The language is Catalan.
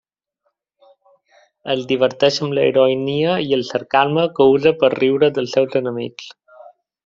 Es diverteix amb la ironia i el sarcasme que usa per riure dels seus enemics.